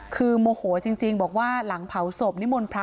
คือโมโหจริงบอกว่าหลังเผาศพนิมนต์พระ